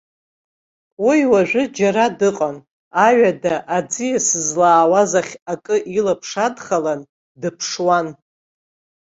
Уи уажәы џьара дыҟан, аҩада аӡиас злаауаз ахь акы илаԥш адхалан дыԥшуан.